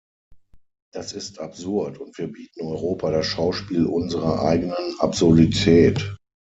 Das ist absurd, und wir bieten Europa das Schauspiel unserer eigenen Absurdität.